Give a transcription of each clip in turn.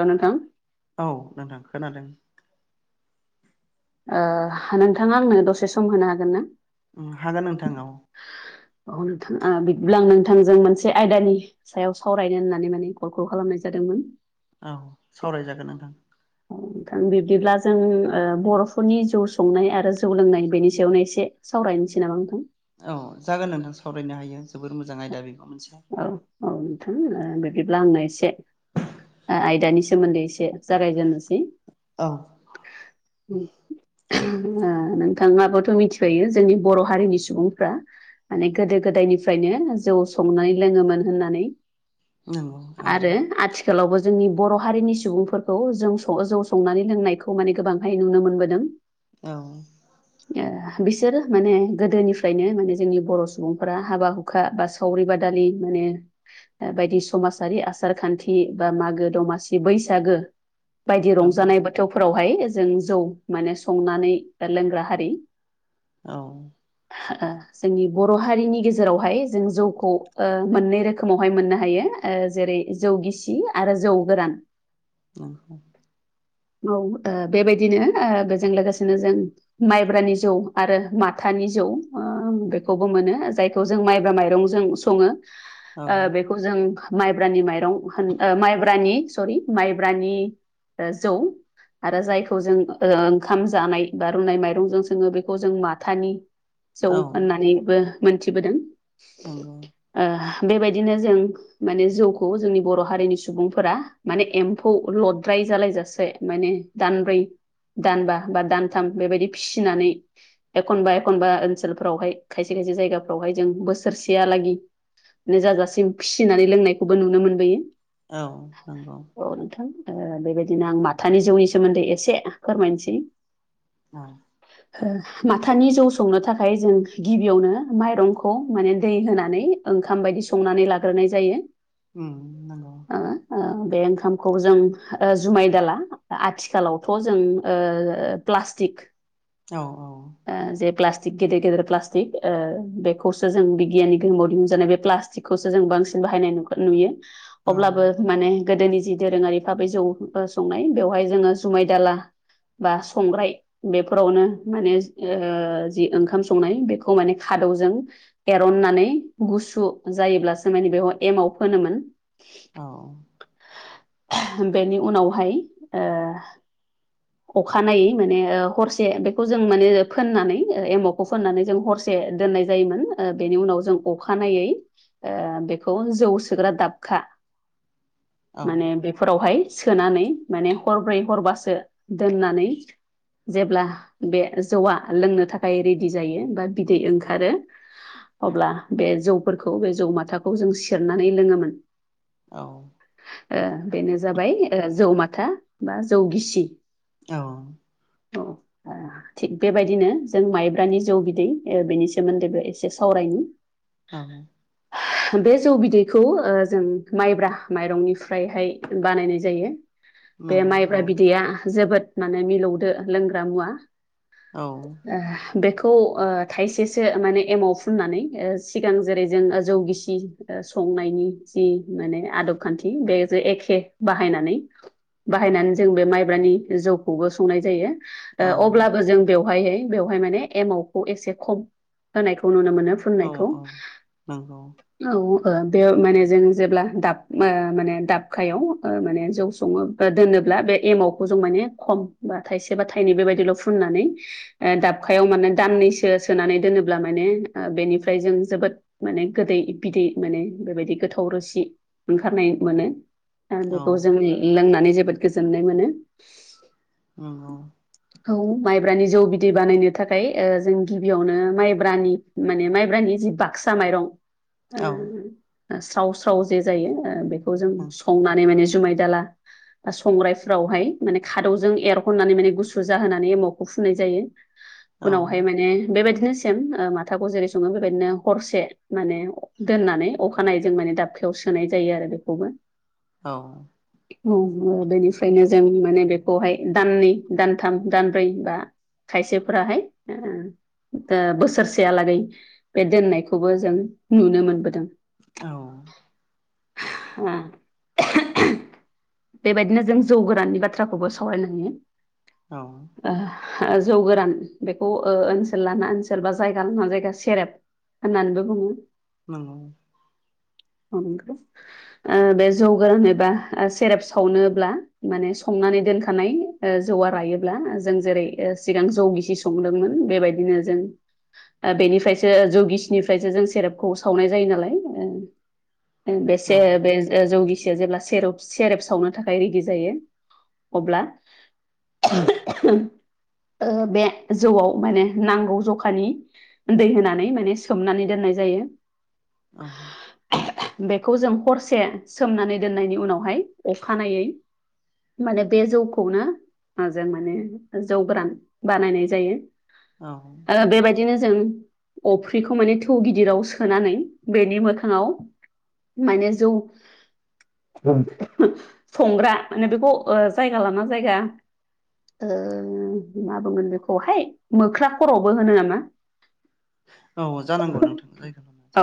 ना नोंथां। औ नोंथां खोनादों। नोंथाङा आंनो दसे सम होनो हागोन ना। हागोन नोंथां औ। नोंथां बिदिब्ला आं नोंथांजों मोनसे आयदानि। सायाव सावरायनो होननानै माने कलखौ खालामनाय जादोंमोन। औ सावरायजागोन नोंथां। ओ नोंथां बिब्दिब्ला जों बर'फोरनि जौ संनाय आरो जौ लोंनाय बेनि सायावनो एसे। सावरायनोसै नामा नोंथां। औ जागोन नोंथां सावरायनो हायो जोबोर मोजां आयदा बेखौ मोनसे। औ औ नोंथां बिदिब्ला आंनो एसे आयदानि सोमोन्दै एसे। जागायजेननोसै। औ नोंथाङाबोथ' मिथिखायो जोंनि बर' हारिनि सुबुंफ्रा। माने गोदो गोदायनिफ्रायनो जौ संनानै लोङोमोन होननानै। औ औ। आरो आथिखालावबो जोंनि बर' हारिनि सुबुंफोरखौ जों जौ संनानै लोंनायखौ। खौ माने गोबांहाय नुनो मोनबोदों। औ। [inaudible] बिसोर माने गोदोनिफ्रायनो माने जोंनि बर' सुबुंफोरा हाबा हुखा बा। सावरि बादालि माने बायदि समाजारि आसार खान्थि बा मागो दमासि बैसागो बायदि नंगौ रंजानाय बोथौफोरावहाय जों जौ माने संनानै लोंग्रा हारि औ जोंनि बर' हारिनि गेजेरावहाय जों जौ खौ मोननै रोखोमावहाय मोननो हायो जेरै जौ गिसि आरो जौ गोरान [inaudible] [inaudible] औ बेबायदिनो बेजों लोगोसेनो जों माइब्रानि जौ आरो माथानि जौ बेखौबो मोनो जायखौ जों माइब्रा माइरंजों सङो औ जों माइब्रानि माइरं होन माइब्रानि सरि माइब्रानि जौ आरो जायखौ जों ओंखाम जानाय बा रुनाय माइरंजों सोङो बेखौ जों माथानि जौ औ होननानैबो मोनथिबोदों [inaudible] बेबायदिनो जों माने जौखौ जोंनि बर' हारिनि सुबुंफोरा माने एम्फौ लद्राय जालायजासे माने दानब्रै दानबा बा दानथाम बेबायदि फिसिनानै एखनबा एखनबा ओनसोलफोरावहाय खायसे खायसे जायगाफ्रावहाय जों बोसोरसेयालागै जाजासिम फिसिनानै लोंनायखौबो नुनो मोनबोयो औ नंगौ औ नोंथां बेबायदिनो आं माथानि जौनि सोमोन्दै एसे फोरमायनोसै औ [inaudible] माथानि जौ संनो थाखाय जों गिबियावनो माइरंखौ माने दै होनानै ओंखाम बायदि संनानै लाग्रोनाय जायो [inaudible] बे ओंखामखौ जों जुमाय दाला आथिखालावथ' जों प्लास्टिक औ औ जे प्लास्टिक गेदेर गेदेर प्लास्टिक बेखौसो जों बिगियाननि गोहोमाव ज बे प्लास्टिकखौसो जों बांसिन बाहायनाय नुयो औ अब्लाबो माने गोदोनि जि दोरोङारिफाबै जौ संनाय बेवहाय जोङो जुमाय दाला बा संग्राय बेफोरावनो माने जि ओंखाम संनाय बेखौ माने खादौजों एरननानै गुसु जायोब्लासो माने बेयाव एमाव फोनोमोन [inaudible] बेनि उनावहाय अखानायै माने हरसे बेखौ जों माने फोननानै एमौखौ फोननानै जों हरसे से दोननाय जायोमोन बेनि उनाव जों अखानायै बेखौ जौ सोग्रा दाबखा औ माने बेफोरावहाय सोनानै माने हरब्रै हरबासो दोननानै जेब्ला बे जौआ लोंनो थाखाय रेडि जायो बा बिदै ओंखारो अब्ला बे जौफोरखौ बे जौ माथाखौ जों सेरनानै लोङोमोन औ बेनो जाबाय जौ माथा बा जौ गिसि औ औ थिग बेबायदिनो जों माइब्रानि जौ बिदै बेनि सोमोन्दैबो एसे सावरायनि औ [inaudible] बे जौ बिदैखौ जों माइब्रा माइरंनिफ्रायहाय बानायनाय जायो बे नंगौ माइब्रा औ बिदैया जोबोद माने मिलौदो लोंग्रा मुवा औ ओ बेखौ ओ थाइसेसो माने एमाव फुननानै ओ सिगां जेरै जों जौगिसि संनायनि जि माने आदब खान्थि बे जे एखे बाहायनानै बाहायनानै जों बे माइब्रानि जौखौबो संनाय जायो अब्लाबो जों बेवहाय बेवहाय माने एमाव खौ एसे खब होनायखौ नुनो मोनो औ फुननायखौ औ औ नंगौ औ बे ओ माने जों जेब्ला दाब ओ माने ओ दाबखायाव ओ माने जौ सङो दोनोब्ला बे एमावखौ जों माने खम बा थाइसे बा थाइनै बेबायदिल' फुननानै ओ दाबखायाव माने दामनैसो सोनानै दोनोब्ला माने ओ बेनिफ्रा ओमफ्राय जों जोबोद माने गोदै बिदै माने बेबायदि गोथाव रोसि ओंखारनाय मोनो आरो औ बेखौ जों लोंनानै जोबोद गोजोननाय मोनो [unintelligible] औ माइब्रानि जौ बिदै बानायनो थाखाय ओ जों गिबियावनो माइब्रानि माने म म्रानि जि बासा माइरं ओ स्राव स्राव जे जायो ओ बे खौ जों औ संनानै माने जुमाय दाला बा संग्रायफ्रावहाय माने खादौजों एरहननानै माने गुसु जाहोनानै एमावखौ फुननाय जायो औ उनावहाय माने बेबायदिनो सेम ओ माथाखौ जेरै बेबायदिनो हरसे माने दोननानै अखानाय जों माने दाबखायाव सोनाय जायो आरो बेखौबो [inaudible] औ बेनिफ्रायनो जों माने बेखौहाय दाननै दानथाम दानब्रै बा खायसेफोराहाय ओ बोसोरसेयालागै बे दोननायखौबो जों नुनो मोनबोदों औ [unintelligible] बेबायदिनो जों जौ गोराननि बाथ्राखौबो सावरायनो हायो औ ओ जौ गोरान बेखौ ओ-ओनसोल लाना ओनसोल बा जायगा लाना जायगा सि [unintelligible] नगौ [unintelligible] ओ बे जौ गोरान एबा ओ सेरेप सावनोब्ला माने संनानै दोनखानाय ओ जौवा रायोब्ला जों ओ जेरै सिगां जौ गिसि संदोंमोन बेबायदिनो जों बेनिफ्राय ओ गिसिनिफ्रायसो जों सेरेपखौ सावनाय जायो नालाय ओ औ जौगिसिया जेब्ला सेर-सेरेब सावनो थाखाय रेडि जायो अब्ला [unintelligible] ओ बे जौआव माने नांगौ जखानि दै होनानै सोमनानै दोननाय जायो औ बेखौ जों हरसे सोमनानै दोननायनि उनावहाय अखानायै माने बे जौखौनो ओ जों माने जौ गोरान बानायनाय जायो औ बेबायदिनो जों अफ्रिखौ माने थौ गिदिराव सोनानै बेनि मोखाङाव माने जौ संग्रा माने बेखौ जायगा लाना जायगा ओ मा बुंगोन बेखौहाय मोख्रा खर'बो होनो नामा औ जानांगौ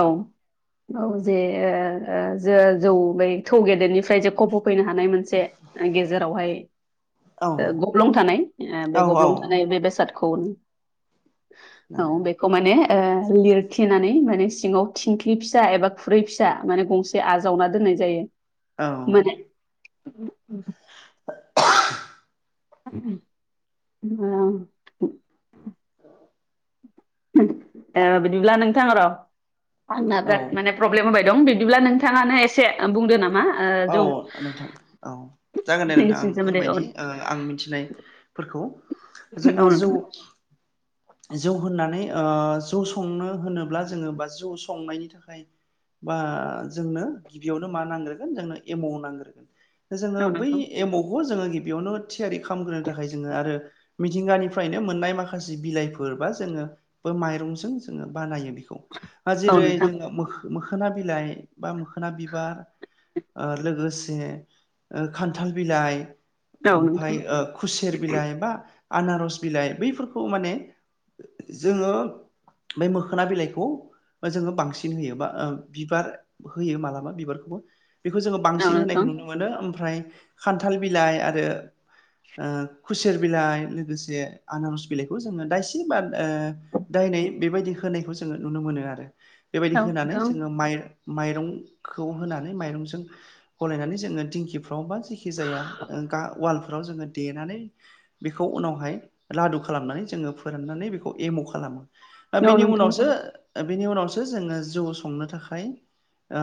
औ [inaudible] औ जे ओ ओ जो- जौ बै थौ गेदेरनिफ्राय जे खबोफैनो हानाय मोनसे गेजेरावहाय औ गब्लं थानाय ओ बे औ औ गब्लं थानाय बे बेसादखौ औ नंगौ बे माने ओ लिरखेनानै माने सिङाव थिंख्लि फिसा एबा खुरै फिसा माने गंसे एसे आजावना दोननाय जायो। औ माने औ ए बिदिब्ला नोंथां र' आंना बिराद माने औ प्रब्लेम होबाय दं बिदिब्ला नोंथाङानो एसे बुंदो नामा ओ औ जौ नोंथां औ जागोन दे नि नोंथां आं सोमोन्दै औ फोरमायदि आं मिथिनाय फोरखौ औ जोंहा जौ नोंथां जौ होननानै ओ जौ संनो होनोब्ला जोङो बा जौ संनायनि थाखाय बा जोंनो गिबियावनो मा नांगोनो जोंनो एम नांग्रोगोन जोङो औ बै नोंथां एमावखौ जोङो गिबियावनो थियारि खालामग्रोनो थाखाय जोङो आरो मिथिंगानिफ्रायनो मोननाय माखासे बिलाइफोर बा जोङो बे माइरंजों जोङो बानायो बे औ जेरै नोंथां जोङो मोखोना बिलाइ बा मोखोना बिबार ओ लोगोसे ओ खान्थाल बिलाइ औ नोंथां ओमफफ्राय खुसेर बिलाइ बा आनारस बिलाइ बैफोरखौ माने जोङो बे मोखोना बिलाइखौ जोङो बांसिन होयो ओ बा बिबार होयो मालाबा बिबारखौबो बेखौ जोङो औ बांसिन नोंथां होनायखौ नुनो मोनो ओमफ्राय खान्थाल बिलाइ आरो ओ खुसेर बिलाइ लोगोसे आनारस बिलाइ खौ जोङो दायसिन बा दायनाय बेबायदि होनायखौ जोङो नुनो मोनो आरो बेबायदि औ होनानै नोंथां जोङो माय-माइरंखौ होनानै माइरं जों गलनानै जोङो दिंखिफ्राव बा जेखि जाया ओ उवालफोराव जोङो देनानै बेखौ उनावहाय लादु खालामनानै जोङो फोराननानै बेखौ एम' खालामो। औ बेनि नोंथां उनावसो बेनि उनावसो जोङो जौ संनो थाखाय ओ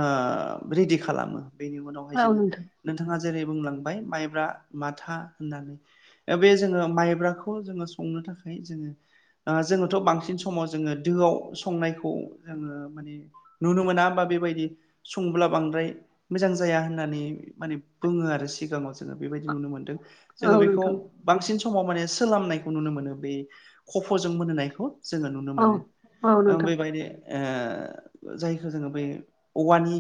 रेडि खालामो बेनि उनाव औ जोङो नोंथाङा जेरै बुंलांबाय माइब्रा माथा होननानै बे जोङो माइब्राखौ जोङो संनो थाखाय जोङो ओ जोङोथ' बांसिन समाव जोङो दोआव संनायखौ जोङो माने नुनो मोना होमा बेबायदि संब्ला बांद्राय मोजां जाया होननानै माने बुङो आरो सिगाङाव जोङो बेबायदि नुनो मोनदों नोंथां जोङो औ बेखौ नोंथां बांसिन समाव माने सोललामनायखौ नुनो मोनो बे खफ'जों मोनहोनायखौ जोङो नुनो औ मोनो औ ओ नोंथां बेबायदि ओ जायखौ जोङो बै औवानि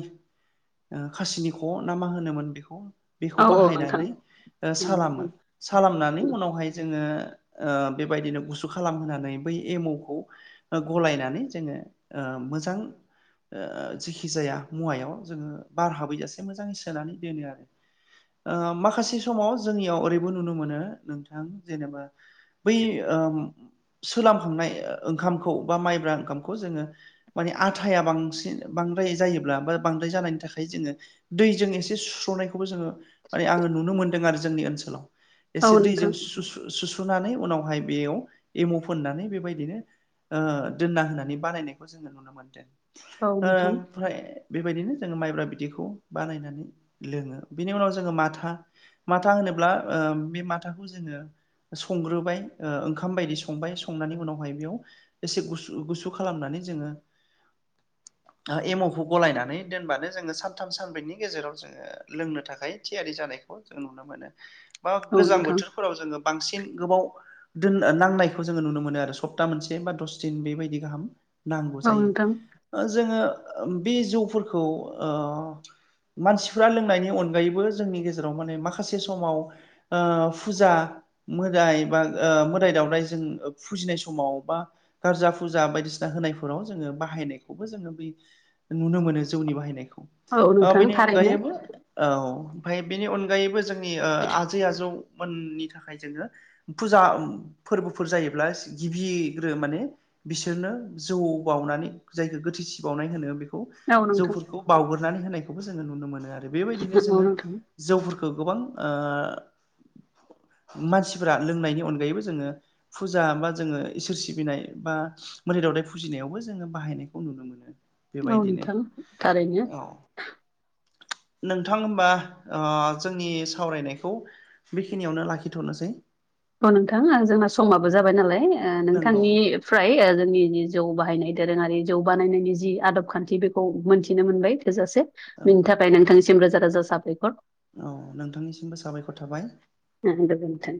खासिनिखौ ना मा होनोमोन बेखौ बेखौ औ औ बाहायनानै नोंथां औ नोंथां ओ औ सालामो नोंथां सलामनानै उनावहाय जोङो ओ बेबायदिनो गुसु खालामहोनानै बै एमावखौ गलायनानै जोङो ओ मोजां ओ जेखि जाया मुवायाव जोङो बार हाबैजासे मोजाङै सोनानै दोनो आरो। ओ माखासे समाव जोंनियाव ओरैबो नुनो मोनो नोंथां जेनेबा बै ओम सोलखांनाय ओंखामखौ बा माइब्रा ओंखामखौ जोङो माने आटाया बांसिन बांद्राय जायोब्ला बा बांद्राय जानायनि थाखाय ओमफाय जोङो दैजों एसे सुस्र'नायखौबो जोङो माने आङो नुनो मोनदों आरो जोंनि ओनसोलाव। औ नोंथां औ एसे दैजों नोंथां सु-सु-सुसुनानै उनावहाय बेयाव एमु फोननानै बेबायदिनो ओ दोनना होनानै बानायनायखौ जोङो नुनो मोन्दों। ओ ओमफ्राय बेबायदिनो जोङो माइब्रा बिदैखौ बानायनानै लोङो बिनि उनाव जोङो माथा। माथा होनोब्ला ओ बे माथाखौ जोङो संग्रोबाय ओ ओंखाम बायदि संबाय संनायनि उनावहाय बेयाव एसे गुसु गुसु खालामनानै जोङो एमावखौ गलायनानै दोनबानो जोङो सथाम सानब्रैनि गेजेराव जोङो लोंनो थाखाय थियारि जानायखौ जों नुनो मोनो। बा गोजां बोथोरफोराव जोङो बांसिन गोबाव दोननो नांनायखौ जोङो नुनो मोनो आरो सप्ता मोनसे बा दस दिन बेबायदि गाहाम। नांगौ औ नोंथां जायो। जोङो बे जौफोरखौ ओ मानसिफ्रा लोंनायनि अनगायैबो जोंनि गेजेराव माने माखासे समाव ओ फुजा मोदाय बा ओ मोदाय दावदाय जों फुजिनाय समाव बा गारजा फुजा बायदिसिना होनायफोराव जोङो बाहायनायखौबो जोङो बै नुनो मोनो जौनि बाहायनायखौ। औ ओ नोंथां बेनि थारैनो अनगायैबो औ ओमफाय बेनि अनगायैबो जोंनि ओ आजै आजौमोननि थाखाय जोङो फुजा फोरबोफोर जायोब्ला गिबिग्रो माने बिसोरनो जौ बावउनानै जायखौ गोथैसि बावनाय होनो बे खौ औ नोंथां जौफोरखौ बावगोरनानै होनायखौबो जोङो नुनो मोनो आरो। बेबायदिनो औ जोङो नोंथां जौफोरखौ गोबां ओ मानसिफोरा लोंनायनि अनगायैबो जोङो फुजा बा जोङो इसोर सिबिनाय बा मोदै दावदाय फुजिनायावबो जोङो बाहायनायखौ नुनो मो नो। औ नोंथां थारैनो। नोंथां होनबा ओ जोंनि सावरायनायखौ बेखिनियावनो लाखिथ'नोसै। औ नोंथां आं जोंना समाबो जाबाय नालाय ओ नंगौ नोंथांनि फ्राय ओ जोंनि जि जौ बाहायनाय दोरोङारि जौ बानायनायनि जि आदब खान्थि बेखौ मोनथिनो मोनबाय थोजासे। औ बिनि थाखाय नोंथांनिसिम रोजा रोजा साबायखर। औ नोंथांनिसिमबो साबायखर थाबाय। ओ गोजोनथों।